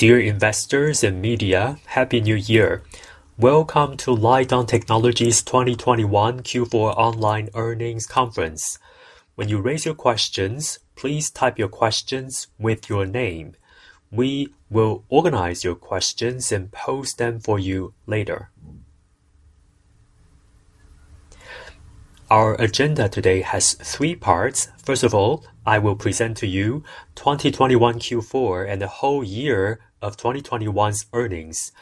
Dear investors and media, Happy New Year. Welcome to Lite-On Technology 2021 Q4 online earnings conference. When you raise your questions, please type your questions with your name. We will organize your questions and pose them for you later. Our agenda today has three parts. First of all, I will present to you 2021 Q4 and the whole year of 2021's earnings.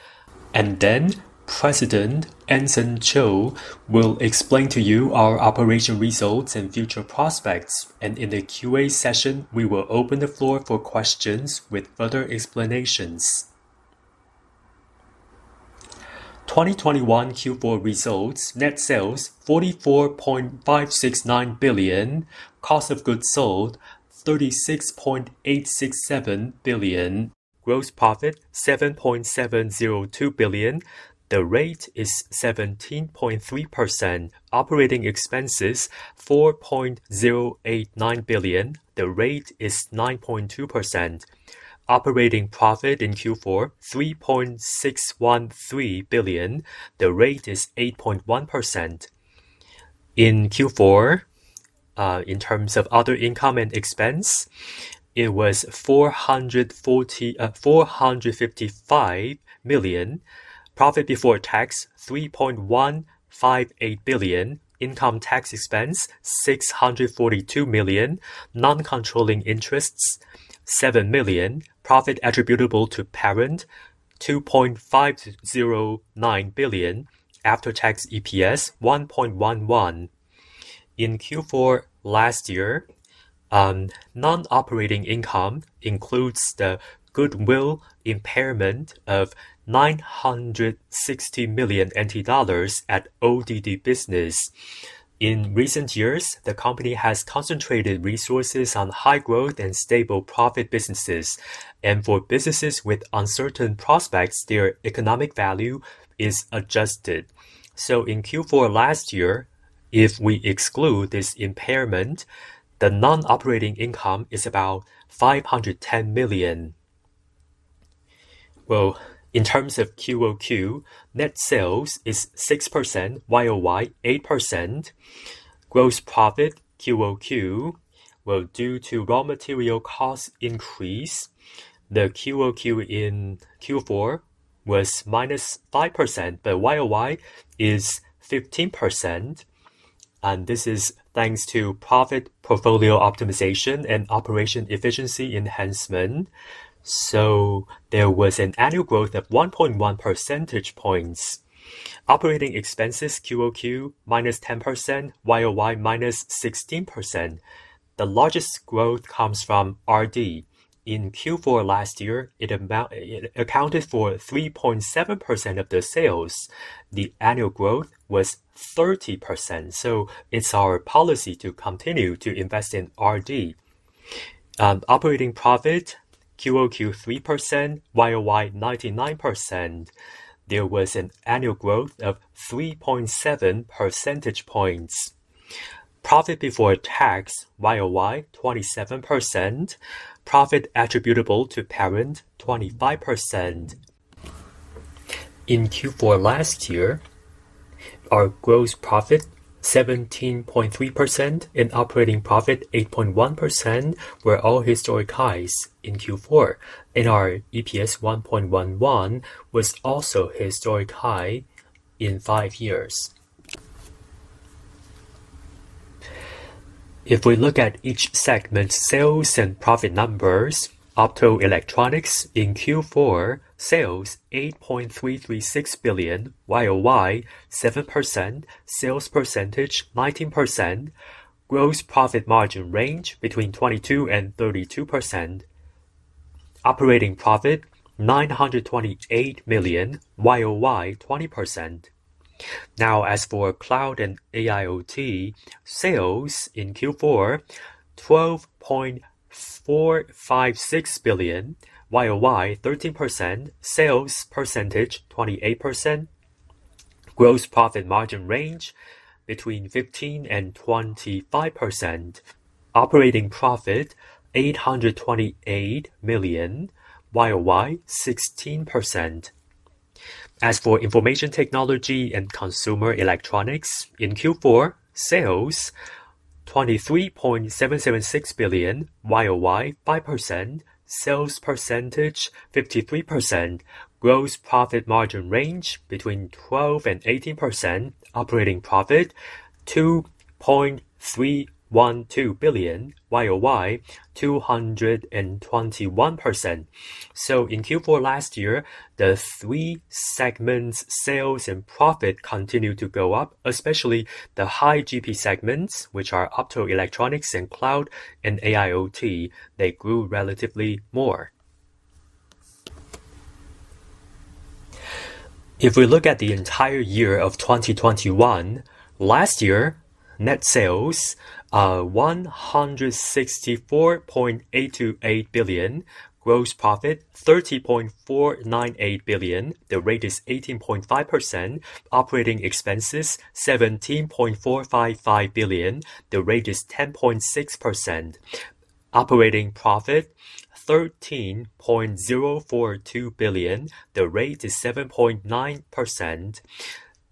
Then President Anson Chiu will explain to you our operation results and future prospects. In the QA session, we will open the floor for questions with further explanations. 2021 Q4 results, net sales 44.569 billion. Cost of goods sold 36.867 billion. Gross profit 7.702 billion. The rate is 17.3%. Operating expenses 4.089 billion. The rate is 9.2%. Operating profit in Q4 3.613 billion. The rate is 8.1%. In Q4, in terms of other income and expense, it was 455 million. Profit before tax 3.158 billion. Income tax expense 642 million. Non-controlling interests 7 million. Profit attributable to parent 2.509 billion. After-tax EPS 1.111. In Q4 last year, non-operating income includes the goodwill impairment of 960 million NT dollars at ODD business. In recent years, the company has concentrated resources on high growth and stable profit businesses, and for businesses with uncertain prospects, their economic value is adjusted. In Q4 last year, if we exclude this impairment, the non-operating income is about 510 million. Well, in terms of QOQ, net sales is 6%, YoY 8%. Gross profit QOQ, well, due to raw material cost increase, the QOQ in Q4 was -5%, but YoY is 15%, and this is thanks to profit portfolio optimization and operation efficiency enhancement. There was an annual growth of 1.1 percentage points. Operating expenses QOQ -10%, YoY -16%. The largest growth comes from R&D. In Q4 last year, it accounted for 3.7% of the sales. The annual growth was 30%, so it's our policy to continue to invest in R&D. Operating profit QOQ 3%, YoY 99%. There was an annual growth of 3.7 percentage points. Profit before tax YoY 27%. Profit attributable to parent 25%. In Q4 last year, our gross profit 17.3% and operating profit 8.1% were all historic highs in Q4. Our EPS 1.11 was also historic high in five years. If we look at each segment's sales and profit numbers, Optoelectronics in Q4, sales 8.336 billion, YoY 7%, sales percentage 19%, gross profit margin 22%-32%. Operating profit 928 million, YoY 20%. Now as for Cloud and AIoT, sales in Q4 12.456 billion, YoY 13%, sales percentage 28%, gross profit margin 15%-25%. Operating profit 828 million, YoY 16%. As for Information Technology & Consumer Electronics, in Q4, sales 23.776 billion, YoY 5%, sales percentage 53%, gross profit margin range between 12% and 18%, operating profit TWD 2.312 billion, YoY 221%. In Q4 last year, the three segments sales and profit continued to go up, especially the high GP segments, which are Optoelectronics and Cloud and AIoT, they grew relatively more. If we look at the entire year of 2021, last year, net sales 164.828 billion. Gross profit 30.498 billion. The rate is 18.5%. Operating expenses 17.455 billion. The rate is 10.6%. Operating profit 13.042 billion. The rate is 7.9%.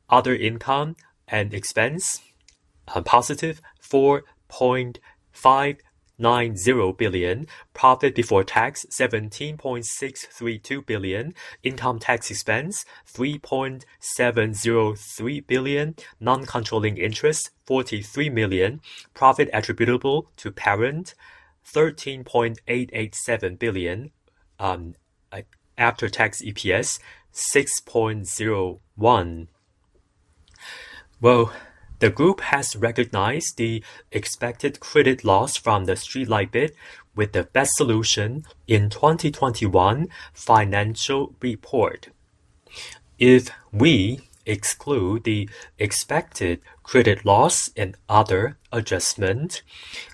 Other income and expense, positive 4.590 billion. Profit before tax, 17.632 billion. Income tax expense, 3.703 billion. Non-controlling interest, 43 million. Profit attributable to parent, 13.887 billion. After-tax EPS, 6.01. The group has recognized the expected credit loss from the Silitech business with the best solution in 2021 financial report. If we exclude the expected credit loss and other adjustment,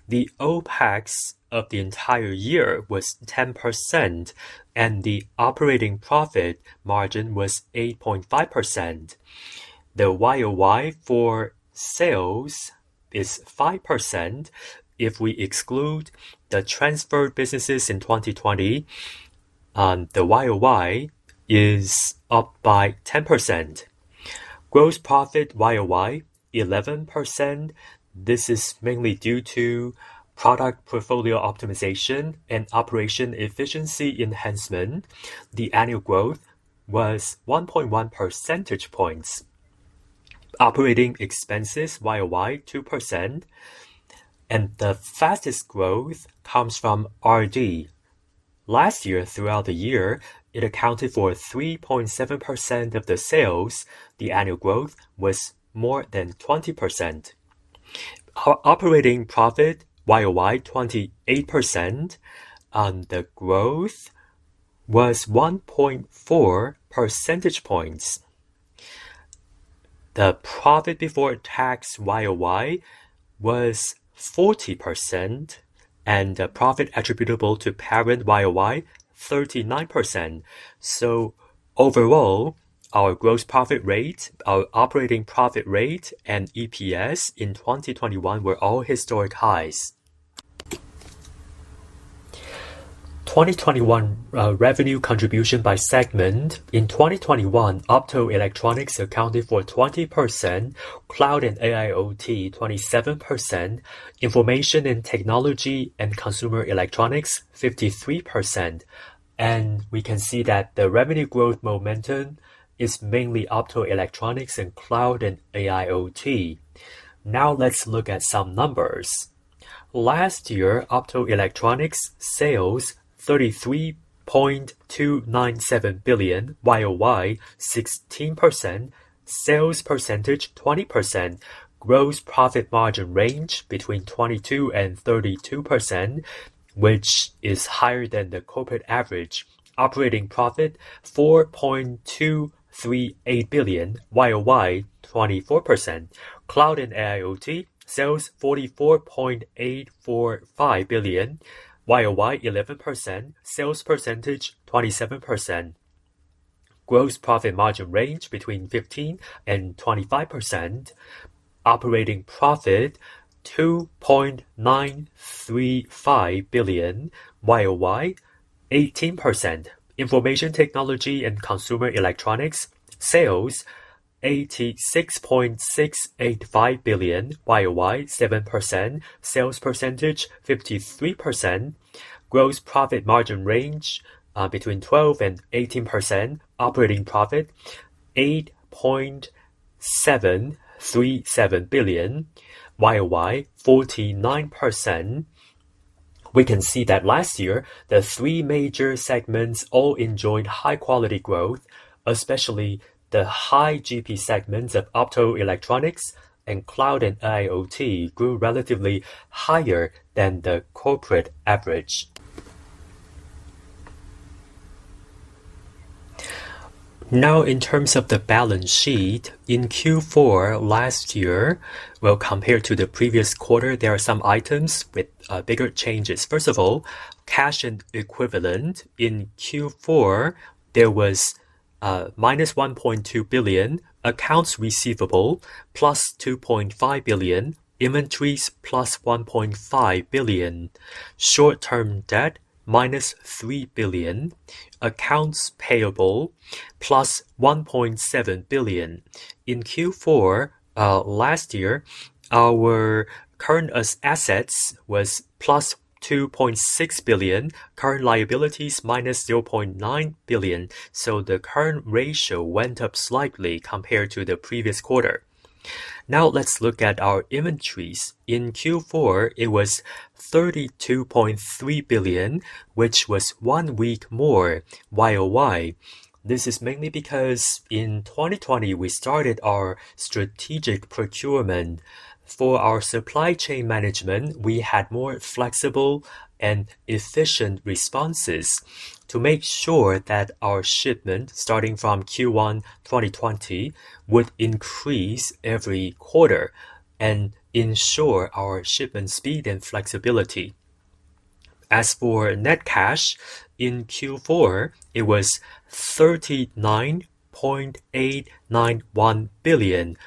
the OpEx of the entire year was 10%, and the operating profit margin was 8.5%. The YoY for sales is 5%. If we exclude the transferred businesses in 2020, the YoY is up by 10%. Gross profit YoY, 11%. This is mainly due to product portfolio optimization and operation efficiency enhancement. The annual growth was 1.1 percentage points. Operating expenses YoY, 2%. The fastest growth comes from R&D. Last year, throughout the year, it accounted for 3.7% of the sales. The annual growth was more than 20%. Operating profit YoY, 28%. The growth was 1.4 percentage points. The profit before tax YoY was 40%, and the profit attributable to parent YoY, 39%. Overall, our gross profit rate, our operating profit rate, and EPS in 2021 were all historic highs. 2021 revenue contribution by segment. In 2021, Optoelectronics accounted for 20%, Cloud and AIoT, 27%, Information Technology & Consumer Electronics, 53%. We can see that the revenue growth momentum is mainly Optoelectronics and Cloud and AIoT. Now let's look at some numbers. Last year, Optoelectronics sales 33.297 billion, YoY 16%, sales percentage 20%, gross profit margin range between 22% and 32%, which is higher than the corporate average. Operating profit 4.238 billion, YoY 24%. Cloud and AIoT sales 44.845 billion, YoY 11%, sales percentage 27%. Gross profit margin range between 15% and 25%. Operating profit 2.935 billion, YoY 18%. Information Technology & Consumer Electronics sales 86.685 billion, YoY 7%, sales percentage 53%. Gross profit margin range between 12% and 18%. Operating profit 8.737 billion, YoY 49%. We can see that last year, the three major segments all enjoyed high quality growth, especially the high GP segments of Optoelectronics and Cloud and AIoT grew relatively higher than the corporate average. Now in terms of the balance sheet, in Q4 last year, compared to the previous quarter, there are some items with bigger changes. First of all, cash and equivalent. In Q4, there was -1.2 billion, accounts receivable +2.5 billion, inventories +1.5 billion, short-term debt -3 billion, accounts payable +1.7 billion. In Q4 last year, our current assets was +2.6 billion, current liabilities -0.9 billion, so the current ratio went up slightly compared to the previous quarter. Now let's look at our inventories. In Q4, it was 32.3 billion, which was 1% more YoY. This is mainly because in 2020, we started our strategic procurement. For our supply chain management, we had more flexible and efficient responses to make sure that our shipment starting from Q1 2020 would increase every quarter and ensure our shipment speed and flexibility. As for net cash, in Q4, it was 39.891 billion.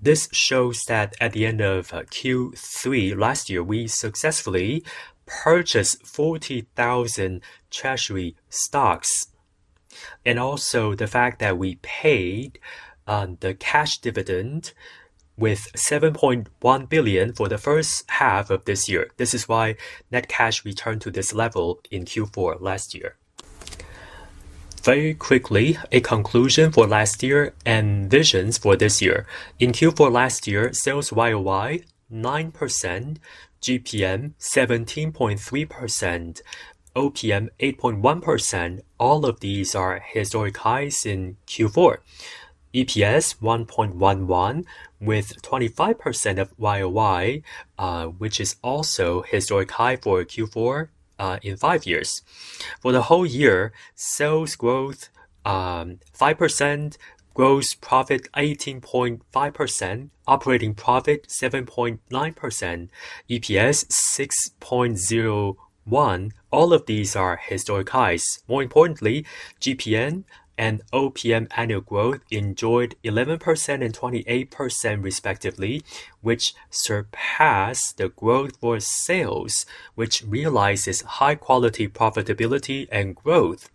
This shows that at the end of Q3 last year, we successfully purchased 40,000 treasury stocks. The fact that we paid the cash dividend with 7.1 billion for the first half of this year. This is why net cash returned to this level in Q4 last year. Very quickly, a conclusion for last year and visions for this year. In Q4 last year, sales YoY 9%, GPM 17.3%, OPM 8.1%. All of these are historic highs in Q4. EPS 1.11 with 25% year-over-year, which is also historic high for Q4 in five years. For the whole year, sales growth 5%, gross profit 18.5%, operating profit 7.9%, EPS 6.01. All of these are historic highs. More importantly, GPM and OPM annual growth enjoyed 11% and 28% respectively, which surpass the growth for sales, which realizes high quality profitability and growth.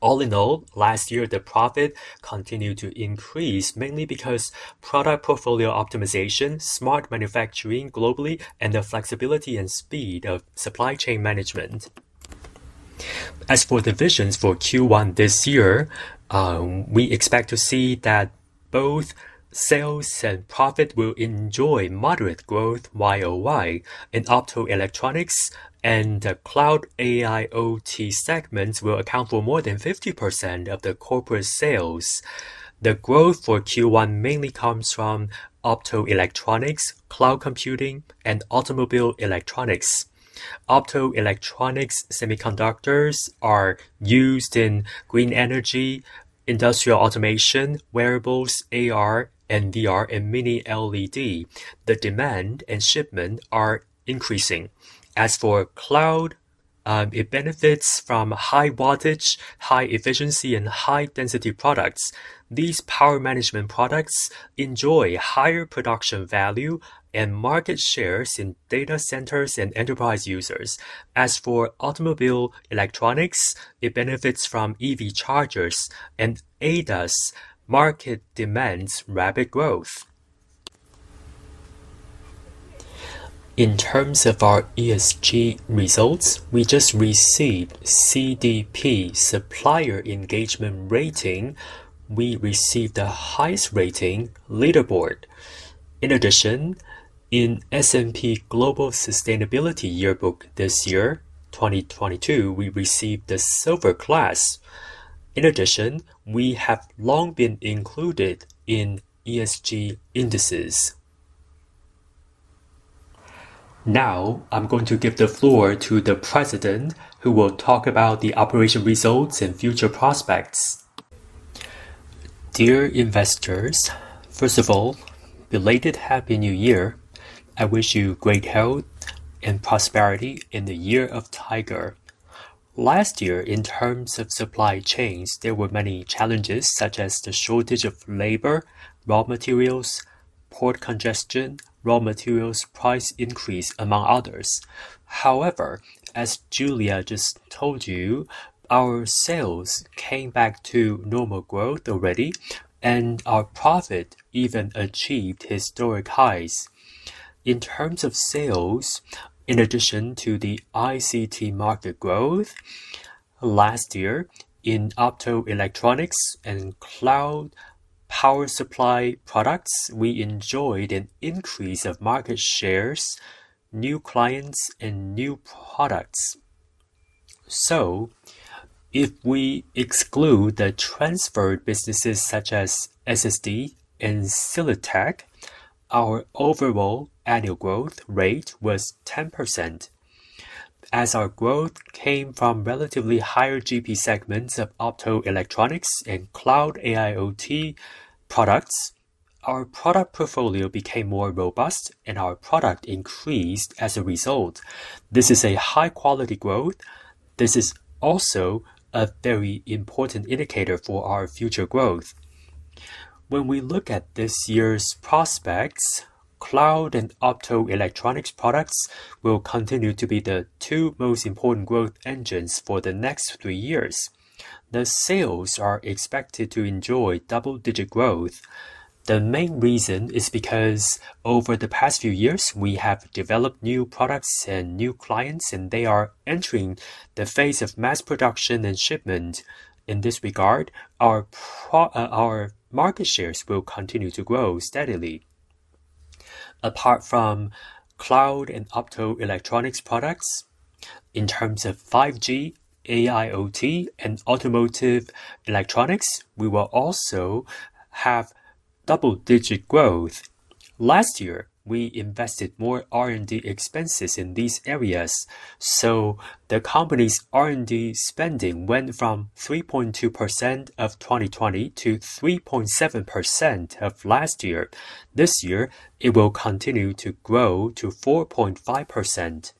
All in all, last year the profit continued to increase mainly because product portfolio optimization, smart manufacturing globally, and the flexibility and speed of supply chain management. As for the vision for Q1 this year, we expect to see that both sales and profit will enjoy moderate growth YoY. Optoelectronics and cloud AIoT segments will account for more than 50% of the corporate sales. The growth for Q1 mainly comes from Optoelectronics, cloud computing, and automobile electronics. Optoelectronics semiconductors are used in green energy, industrial automation, wearables, AR and VR, and Mini LED. The demand and shipment are increasing. As for cloud, it benefits from high wattage, high efficiency, and high density products. These power management products enjoy higher production value and market shares in data centers and enterprise users. As for automobile electronics, it benefits from EV chargers and ADAS market demand's rapid growth. In terms of our ESG results, we just received CDP Supplier Engagement Rating. We received the highest rating, Leaderboard. In addition, in S&P Global Sustainability Yearbook this year, 2022, we received the Silver Class. In addition, we have long been included in ESG indices. Now, I'm going to give the floor to the president, who will talk about the operation results and future prospects. Dear investors, first of all, belated Happy New Year. I wish you great health and prosperity in the Year of Tiger. Last year, in terms of supply chains, there were many challenges, such as the shortage of labor, raw materials, port congestion, raw materials price increase, among others. However, as Julia just told you, our sales came back to normal growth already, and our profit even achieved historic highs. In terms of sales, in addition to the ICT market growth, last year in optoelectronics and cloud power supply products, we enjoyed an increase of market shares, new clients and new products. If we exclude the transfer businesses such as SSD and Silitech, our overall annual growth rate was 10%. As our growth came from relatively higher GP segments of optoelectronics and cloud AIoT products, our product portfolio became more robust and our product increased as a result. This is a high quality growth. This is also a very important indicator for our future growth. When we look at this year's prospects, cloud and optoelectronics products will continue to be the two most important growth engines for the next three years. The sales are expected to enjoy double-digit growth. The main reason is because over the past few years we have developed new products and new clients and they are entering the phase of mass production and shipment. In this regard, our market shares will continue to grow steadily. Apart from Cloud and Optoelectronics products, in terms of 5G AIoT and automotive electronics, we will also have double-digit growth. Last year, we invested more R&D expenses in these areas, so the company's R&D spending went from 3.2% of 2020 to 3.7% of last year. This year it will continue to grow to 4.5%.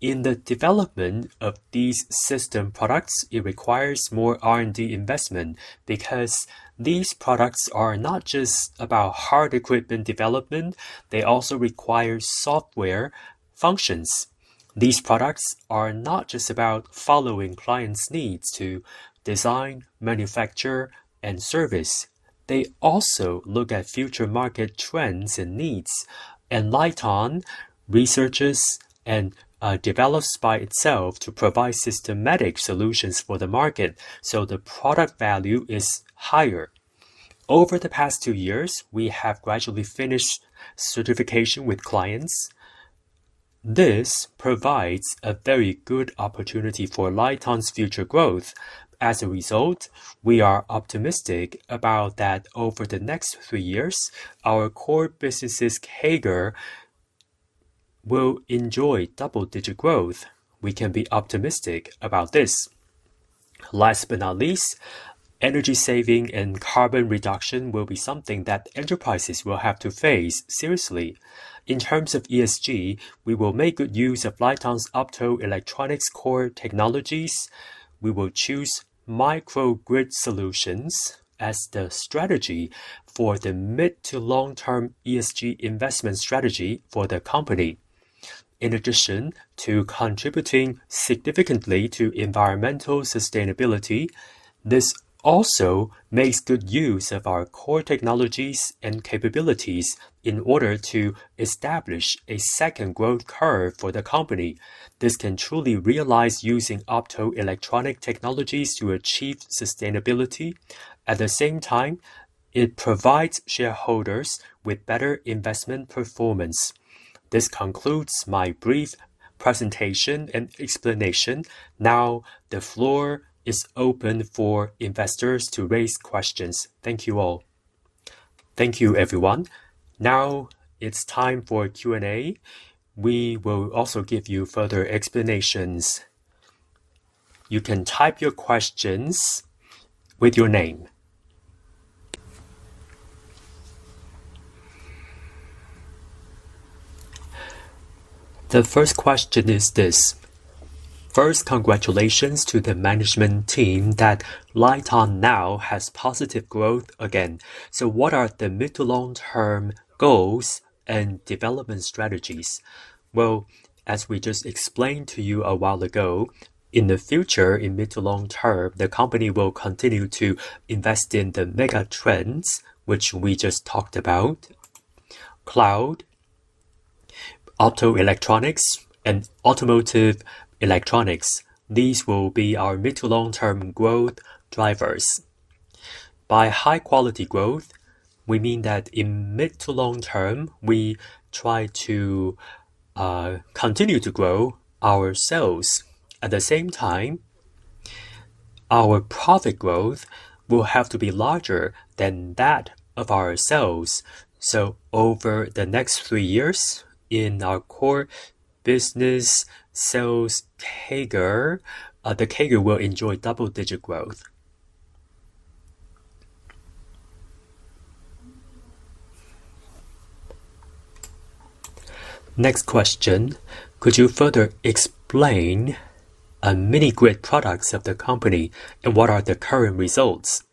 In the development of these system products, it requires more R&D investment because these products are not just about hardware equipment development, they also require software functions. These products are not just about following clients' needs to design, manufacture, and service. They also look at future market trends and needs, and Lite-On researches and develops by itself to provide systematic solutions for the market, so the product value is higher. Over the past two years, we have gradually finished certification with clients. This provides a very good opportunity for Lite-On's future growth. As a result, we are optimistic about that over the next three years, our core business' CAGR will enjoy double-digit growth. We can be optimistic about this. Last but not least, energy saving and carbon reduction will be something that enterprises will have to face seriously. In terms of ESG, we will make good use of Lite-On's Optoelectronics core technologies. We will choose microgrid solutions as the strategy for the mid to long-term ESG investment strategy for the company. In addition to contributing significantly to environmental sustainability, this also makes good use of our core technologies and capabilities in order to establish a second growth curve for the company. This can truly realize using Optoelectronic technologies to achieve sustainability. At the same time, it provides shareholders with better investment performance. This concludes my brief presentation and explanation. Now, the floor is open for investors to raise questions. Thank you all. Thank you, everyone. Now it's time for Q&A. We will also give you further explanations. You can type your questions with your name. The first question is this. First, congratulations to the management team that Lite-On now has positive growth again. What are the mid to long-term goals and development strategies? Well, as we just explained to you a while ago, in the future, in mid to long-term, the company will continue to invest in the mega trends which we just talked about, cloud, optoelectronics, and automotive electronics. These will be our mid to long-term growth drivers. By high quality growth, we mean that in mid to long-term, we try to continue to grow our sales. At the same time, our profit growth will have to be larger than that of our sales. Over the next three years in our core business sales CAGR, the CAGR will enjoy double-digit growth. Next question: Could you further explain many great products of the company, and what are the current results?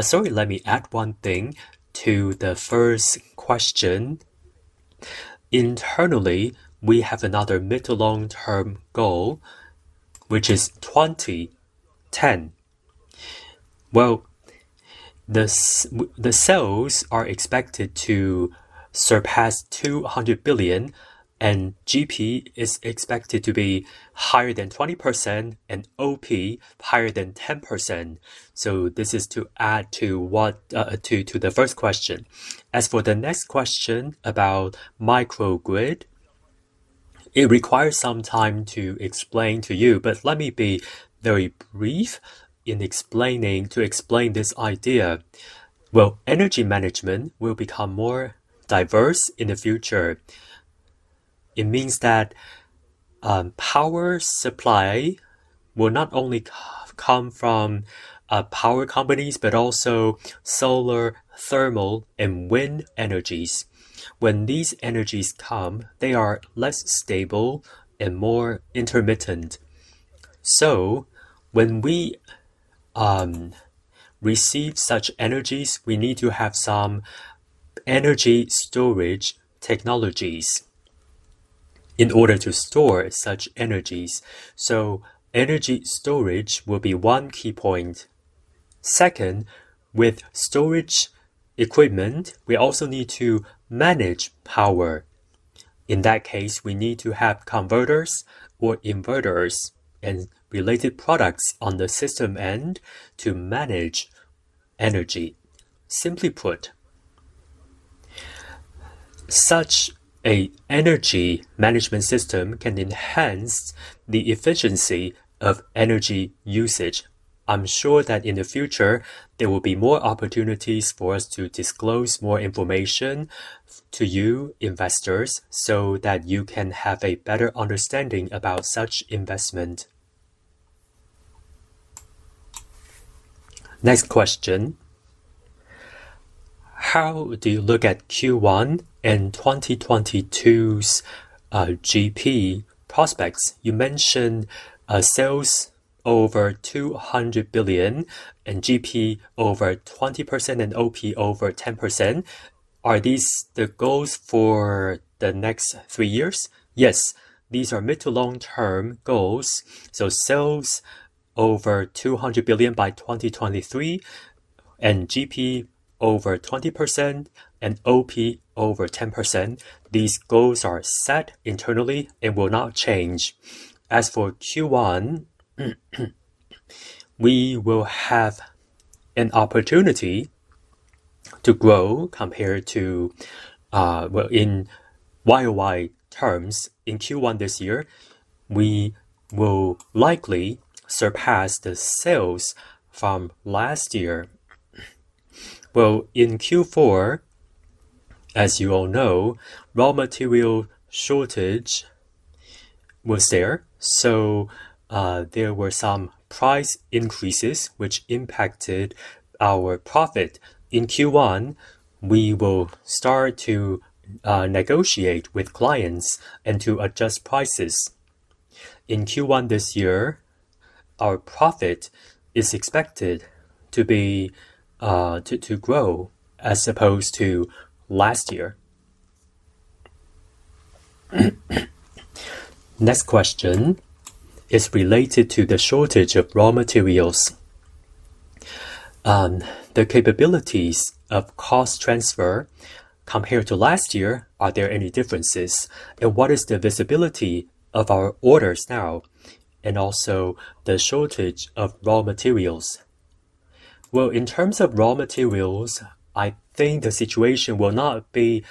Sorry, let me add one thing to the first question. Internally, we have another mid- to long-term goal, which is 2010. Well, the sales are expected to surpass 200 billion, and GP is expected to be higher than 20% and OP higher than 10%. This is to add to the first question. As for the next question about microgrid, it requires some time to explain to you, but let me be very brief in explaining this idea. Well, energy management will become more diverse in the future. It means that power supply will not only come from power companies, but also solar, thermal, and wind energies. When these energies come, they are less stable and more intermittent. When we receive such energies, we need to have some energy storage technologies in order to store such energies. Energy storage will be one key point. Second, with storage equipment, we also need to manage power. In that case, we need to have converters or inverters and related products on the system end to manage energy. Simply put, such an energy management system can enhance the efficiency of energy usage. I'm sure that in the future, there will be more opportunities for us to disclose more information to you investors so that you can have a better understanding about such investment. Next question. How do you look at Q1 and 2022's GP prospects? You mentioned, sales over 200 billion and GP over 20% and OP over 10%. Are these the goals for the next three years? Yes. These are mid to long-term goals. Sales over 200 billion by 2023 and GP over 20% and OP over 10%. These goals are set internally and will not change. As for Q1, we will have an opportunity to grow compared to, well, in YoY terms. In Q1 this year, we will likely surpass the sales from last year. Well, in Q4, as you all know, raw material shortage was there, so there were some price increases which impacted our profit. In Q1, we will start to negotiate with clients and to adjust prices. In Q1 this year, our profit is expected to grow as opposed to last year. Next question is related to the shortage of raw materials. The capabilities of cost transfer compared to last year, are there any differences? And what is the visibility of our orders now, and also the shortage of raw materials? Well, in terms of raw materials, I think the situation will not be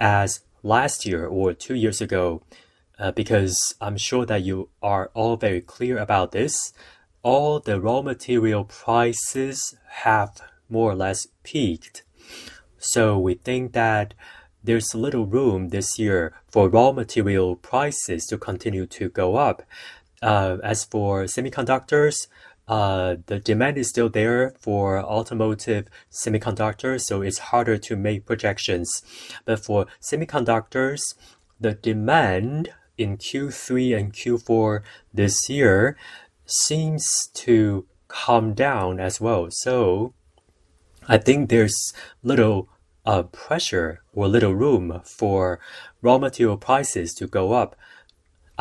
as last year or two years ago, because I'm sure that you are all very clear about this. All the raw material prices have more or less peaked. We think that there's little room this year for raw material prices to continue to go up. As for semiconductors, the demand is still there for automotive semiconductors, so it's harder to make projections. For semiconductors, the demand in Q3 and Q4 this year seems to calm down as well. I think there's little pressure or little room for raw material prices to go up.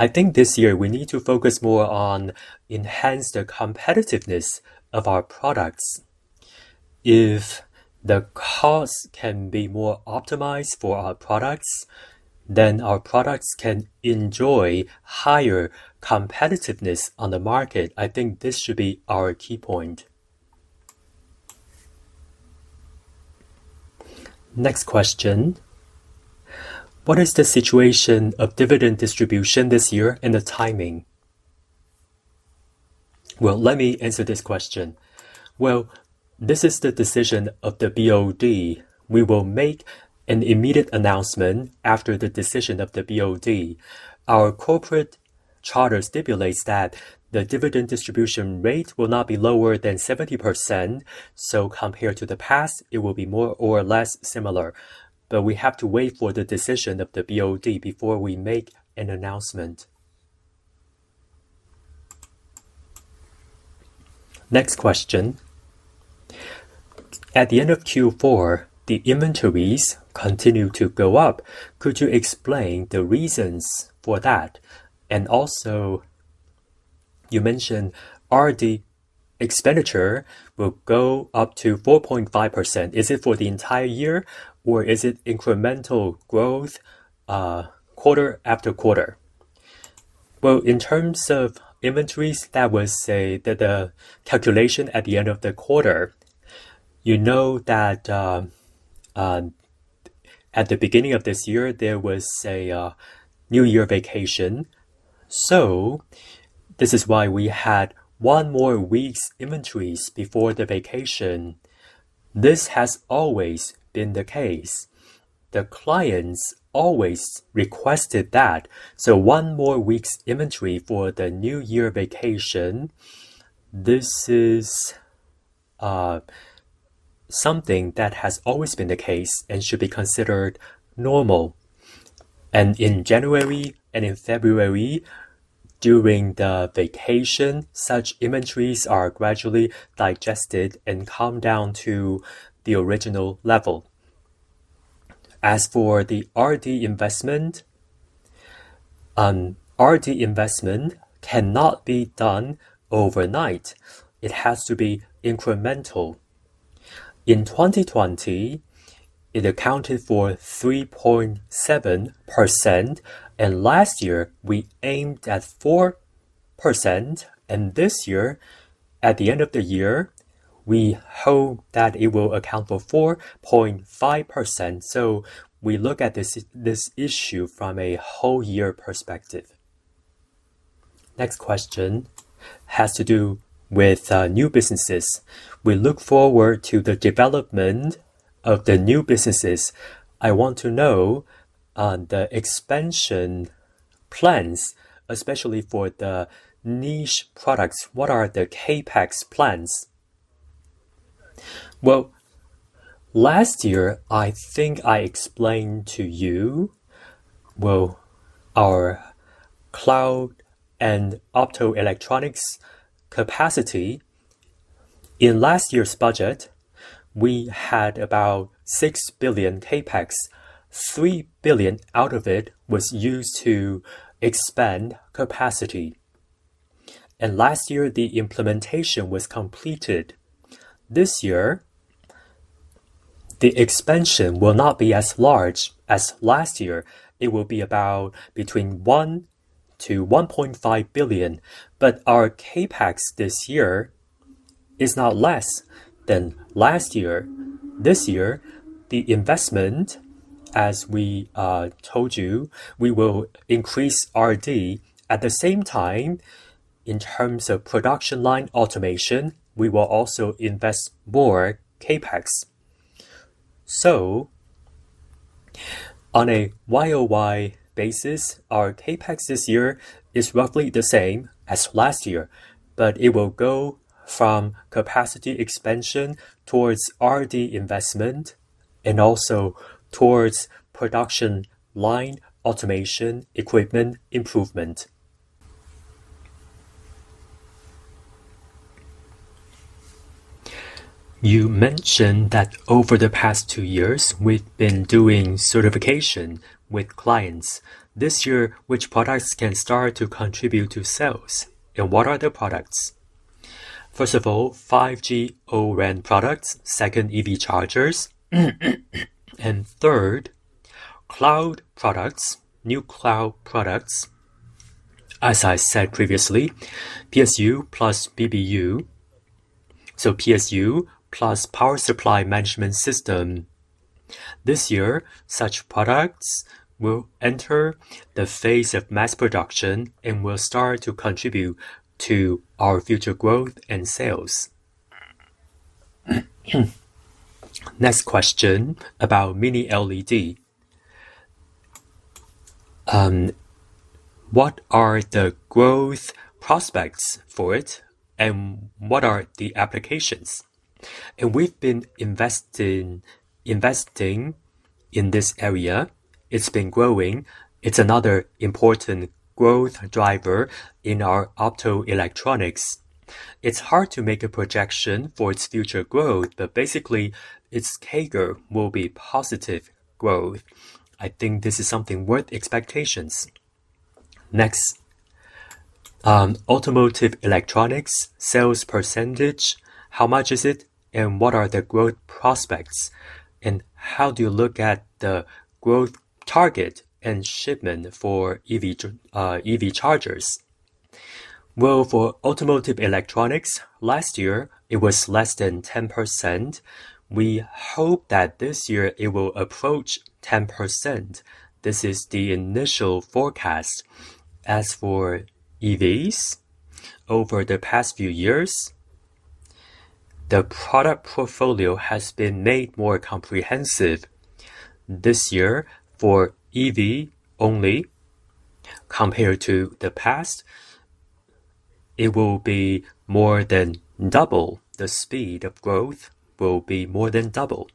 I think this year we need to focus more on enhance the competitiveness of our products. If the cost can be more optimized for our products, then our products can enjoy higher competitiveness on the market. I think this should be our key point. Next question. What is the situation of dividend distribution this year and the timing? Well, let me answer this question. Well, this is the decision of the BOD. We will make an immediate announcement after the decision of the BOD. Our corporate charter stipulates that the dividend distribution rate will not be lower than 70%, so compared to the past, it will be more or less similar. We have to wait for the decision of the BOD before we make an announcement. Next question. At the end of Q4, the inventories continued to go up. Could you explain the reasons for that? And also, you mentioned R&D expenditure will go up to 4.5%. Is it for the entire year or is it incremental growth, quarter after quarter? Well, in terms of inventories, that was the calculation at the end of the quarter. You know that at the beginning of this year, there was a New Year vacation. So this is why we had one more week's inventories before the vacation. This has always been the case. The clients always requested that. So one more week's inventory for the New Year vacation, this is something that has always been the case and should be considered normal. In January and in February, during the vacation, such inventories are gradually digested and come down to the original level. As for the R&D investment, R&D investment cannot be done overnight. It has to be incremental. In 2020, it accounted for 3.7%, and last year we aimed at 4%, and this year, at the end of the year, we hope that it will account for 4.5%. We look at this issue from a whole year perspective. Next question has to do with new businesses. We look forward to the development of the new businesses. I want to know the expansion plans, especially for the niche products. What are the CapEx plans? Well, last year, I think I explained to you, well, our cloud and Optoelectronics capacity. In last year's budget, we had about 6 billion CapEx. 3 billion out of it was used to expand capacity. Last year, the implementation was completed. This year, the expansion will not be as large as last year. It will be about between 1 billion-1.5 billion. Our CapEx this year is not less than last year. This year, the investment, as we told you, we will increase R&D. At the same time, in terms of production line automation, we will also invest more CapEx. On a YoY basis, our CapEx this year is roughly the same as last year, but it will go from capacity expansion towards R&D investment and also towards production line automation equipment improvement. You mentioned that over the past two years, we've been doing certification with clients. This year, which products can start to contribute to sales, and what are the products? First of all, 5G O-RAN products. Second, EV chargers. Third, cloud products, new cloud products. As I said previously, PSU plus BBU, so PSU plus power supply management system. This year, such products will enter the phase of mass production and will start to contribute to our future growth and sales. Next question about Mini LED. What are the growth prospects for it, and what are the applications? We've been investing in this area. It's been growing. It's another important growth driver in our Optoelectronics. It's hard to make a projection for its future growth, but basically, its CAGR will be positive growth. I think this is something worth expectations. Next, automotive electronics sales percentage, how much is it, and what are the growth prospects? How do you look at the growth target and shipment for EV chargers? Well, for automotive electronics, last year it was less than 10%. We hope that this year it will approach 10%. This is the initial forecast. As for EVs, over the past few years, the product portfolio has been made more comprehensive. This year, for EV only, compared to the past, it will be more than double the speed of growth, will be more than double.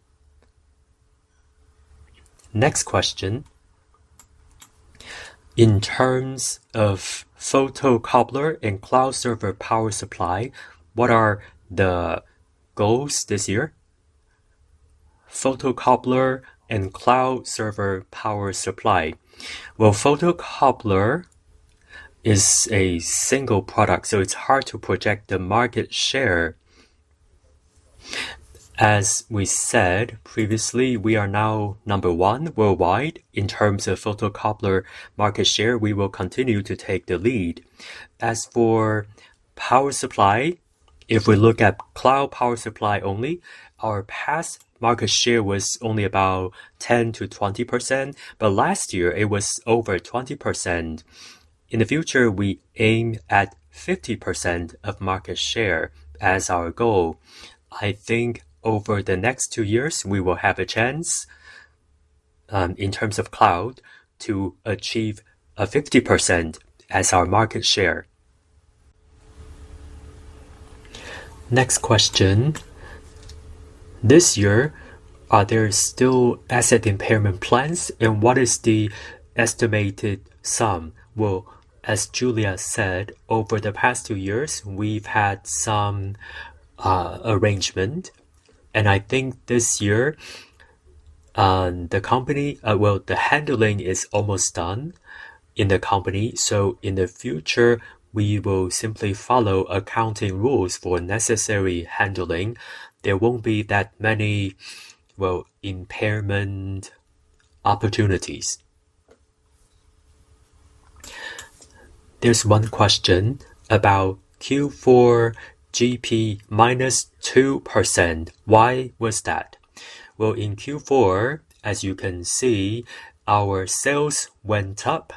Next question. In terms of photocoupler and cloud server power supply, what are the goals this year? Photocoupler and cloud server power supply. Well, photocoupler is a single product, so it's hard to project the market share. As we said previously, we are now number one worldwide in terms of photocoupler market share. We will continue to take the lead. As for power supply, if we look at cloud power supply only, our past market share was only about 10%-20%, but last year it was over 20%. In the future, we aim at 50% of market share as our goal. I think over the next two years, we will have a chance, in terms of cloud, to achieve a 50% as our market share. Next question. This year, are there still asset impairment plans, and what is the estimated sum? Well, as Julia said, over the past two years, we've had some arrangement, and I think this year, the handling is almost done in the company. So in the future, we will simply follow accounting rules for necessary handling. There won't be that many, well, impairment opportunities. There's one question about Q4 GP minus 2%. Why was that? Well, in Q4, as you can see, our sales went up.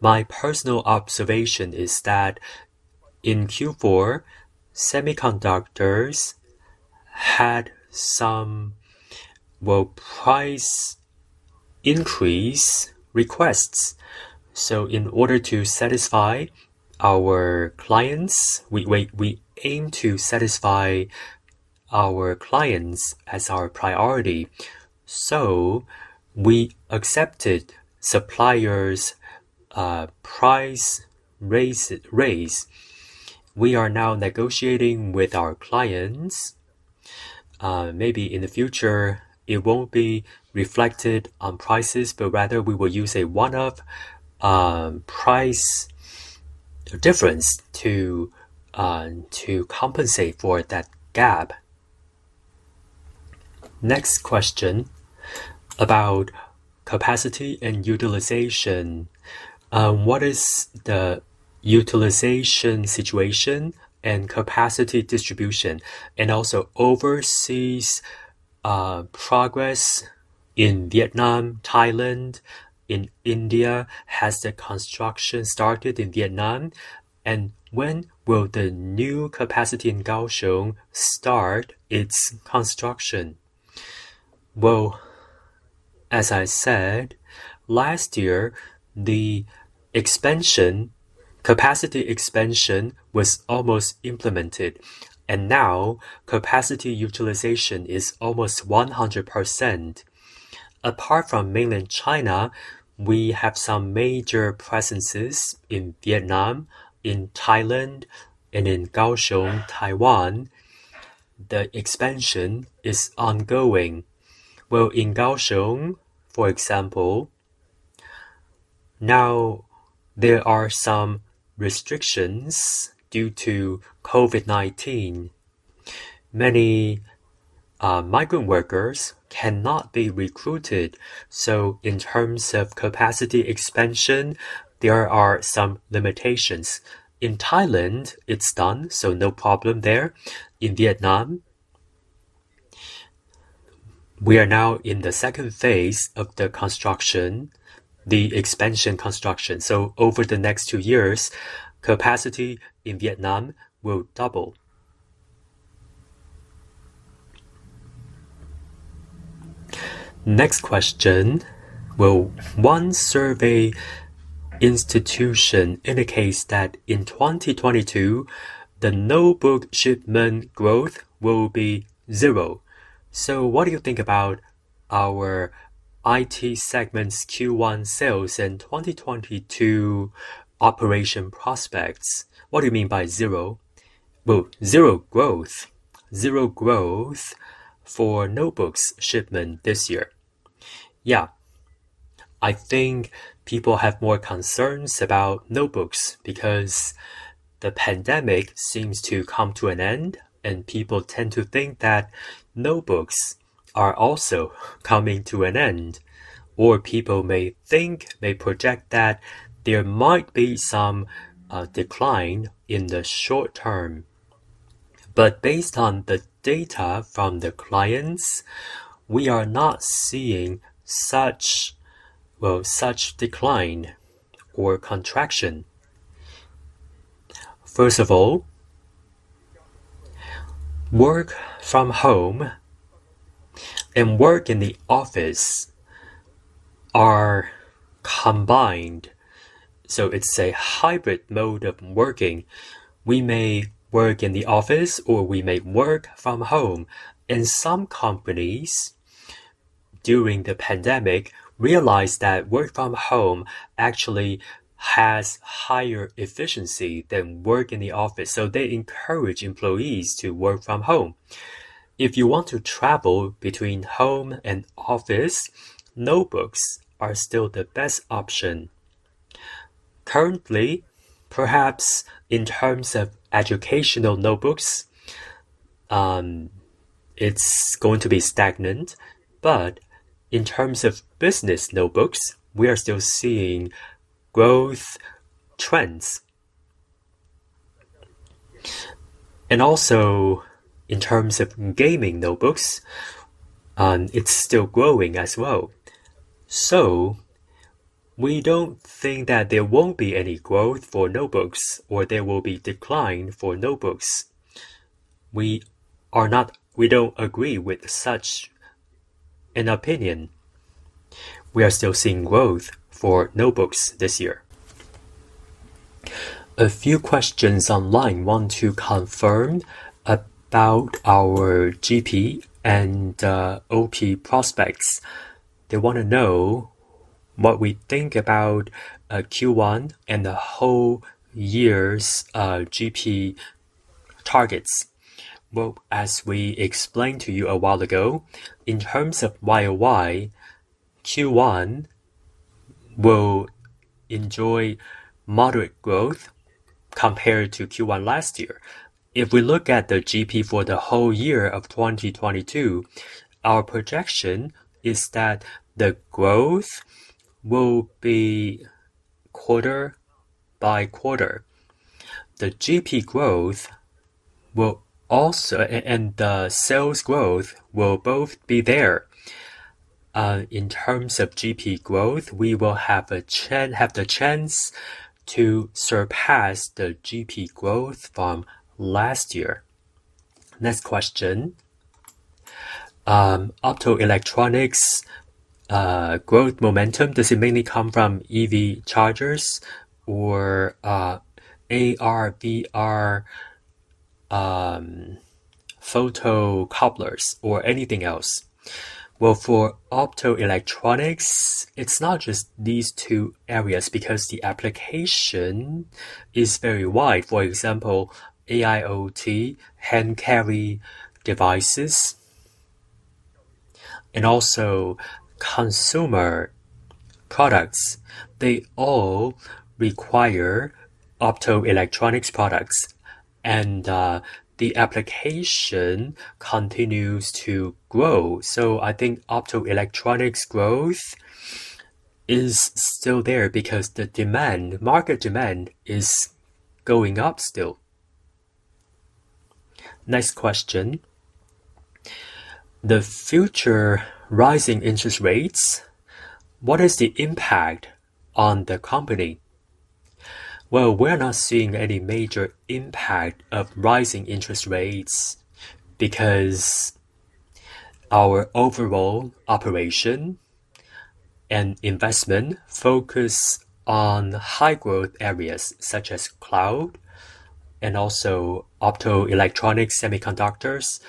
My personal observation is that in Q4, semiconductors had some, well, price increase requests. In order to satisfy our clients, we aim to satisfy our clients as our priority. We accepted suppliers' price raise. We are now negotiating with our clients. Maybe in the future, it won't be reflected on prices, but rather we will use a one-off price difference to compensate for that gap. Next question about capacity and utilization. What is the utilization situation and capacity distribution? Also overseas, progress in Vietnam, Thailand, in India. Has the construction started in Vietnam? When will the new capacity in Kaohsiung start its construction? Well, as I said, last year, the expansion, capacity expansion was almost implemented, and now capacity utilization is almost 100%. Apart from mainland China, we have some major presences in Vietnam, in Thailand, and in Kaohsiung, Taiwan. The expansion is ongoing. Well, in Kaohsiung, for example, now there are some restrictions due to COVID-19. Many migrant workers cannot be recruited, so in terms of capacity expansion, there are some limitations. In Thailand, it's done, so no problem there. In Vietnam, we are now in the second phase of the construction, the expansion construction. So over the next two years, capacity in Vietnam will double. Next question. One survey institution indicates that in 2022, the notebook shipment growth will be zero. So what do you think about our IT segment's Q1 sales in 2022 operation prospects? What do you mean by zero? Well, zero growth. 0% growth for notebooks shipment this year. Yeah. I think people have more concerns about notebooks because the pandemic seems to come to an end, and people tend to think that notebooks are also coming to an end. People may think, may project that there might be some decline in the short term. Based on the data from the clients, we are not seeing such, well, such decline or contraction. First of all, work from home and work in the office are combined, so it's a hybrid mode of working. We may work in the office or we may work from home. Some companies during the pandemic realized that work from home actually has higher efficiency than work in the office, so they encourage employees to work from home. If you want to travel between home and office, notebooks are still the best option. Currently, perhaps in terms of educational notebooks, it's going to be stagnant. In terms of business notebooks, we are still seeing growth trends. In terms of gaming notebooks, it's still growing as well. We don't think that there won't be any growth for notebooks or there will be decline for notebooks. We don't agree with such an opinion. We are still seeing growth for notebooks this year. A few questions online want to confirm about our GP and OP prospects. They wanna know what we think about Q1 and the whole year's GP targets. Well, as we explained to you a while ago, in terms of YoY, Q1 will enjoy moderate growth compared to Q1 last year. If we look at the GP for the whole year of 2022, our projection is that the growth will be quarter by quarter. The GP growth will also, and the sales growth will both be there. In terms of GP growth, we will have the chance to surpass the GP growth from last year. Next question. Optoelectronics growth momentum, does it mainly come from EV chargers or AR, VR, photocouplers or anything else? Well, for optoelectronics, it's not just these two areas because the application is very wide. For example, AIoT, hand-carry devices, and also consumer products. They all require optoelectronics products, and the application continues to grow. So I think optoelectronics growth is still there because the demand, market demand is going up still. Next question. The future rising interest rates, what is the impact on the company? Well, we're not seeing any major impact of rising interest rates because our overall operation and investment focus on high-growth areas such as cloud and also optoelectronics semiconductors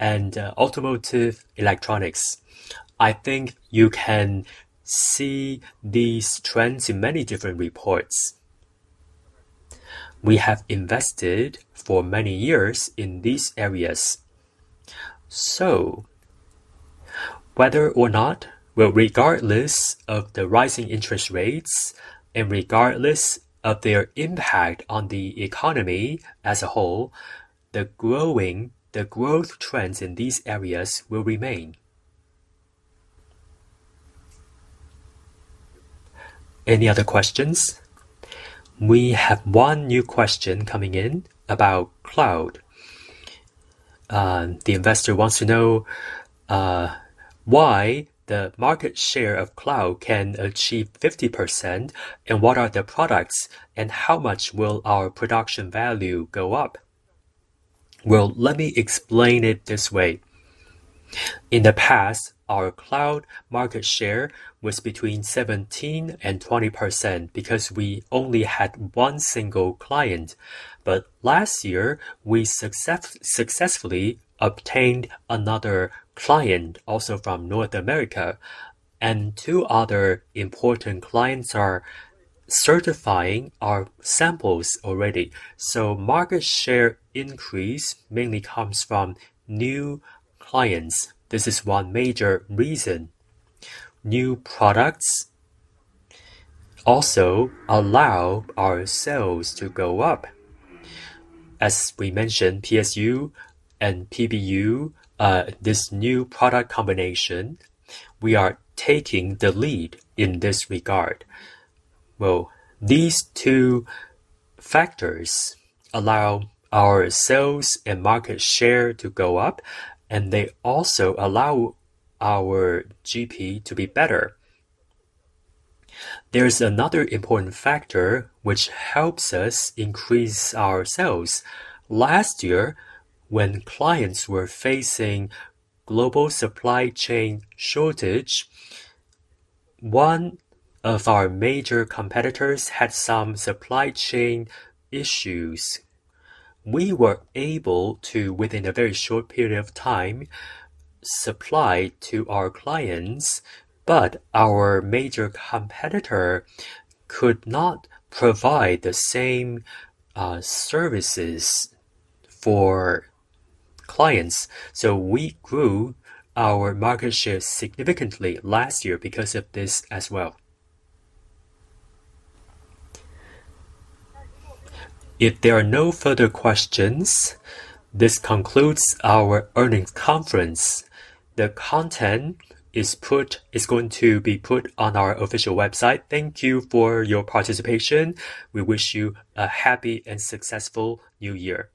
and automotive electronics. I think you can see these trends in many different reports. We have invested for many years in these areas. Well, regardless of the rising interest rates and regardless of their impact on the economy as a whole, the growth trends in these areas will remain. Any other questions? We have one new question coming in about cloud. The investor wants to know why the market share of cloud can achieve 50%, and what are the products, and how much will our production value go up? Well, let me explain it this way. In the past, our cloud market share was between 17% and 20% because we only had one single client. Last year, we successfully obtained another client, also from North America, and two other important clients are certifying our samples already. Market share increase mainly comes from new clients. This is one major reason. New products also allow our sales to go up. As we mentioned, PSU and BBU, this new product combination, we are taking the lead in this regard. Well, these two factors allow our sales and market share to go up, and they also allow our GP to be better. There's another important factor which helps us increase our sales. Last year, when clients were facing global supply chain shortage, one of our major competitors had some supply chain issues. We were able to, within a very short period of time, supply to our clients, but our major competitor could not provide the same services for clients. We grew our market share significantly last year because of this as well. If there are no further questions, this concludes our earnings conference. The content is going to be put on our official website. Thank you for your participation. We wish you a happy and successful new year.